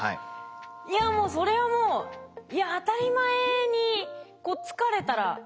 いやもうそれはもういや当たり前にこう疲れたら眠るって感じですよね。